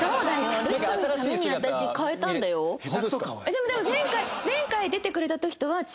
でもでも前回。